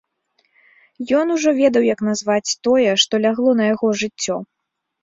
Ён ужо ведаў, як назваць тое, што лягло на яго жыццё.